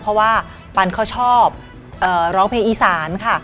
เพราะว่าปันเขาชอบร้องเพลงอีสานค่ะ